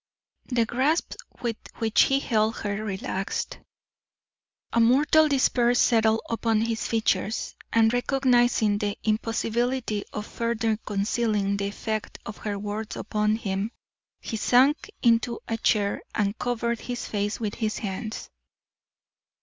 The grasp with which he held her relaxed; a mortal despair settled upon his features, and recognising the impossibility of further concealing the effect of her words upon him, he sank into a chair and covered his face with his hands.